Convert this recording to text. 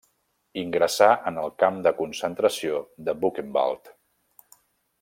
Ingressà en el camp de concentració de Buchenwald.